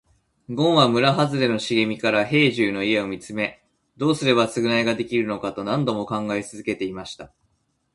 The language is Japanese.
ごんは村はずれの茂みから兵十の家を見つめ、どうすれば償いができるのかと何度も考え続けていました。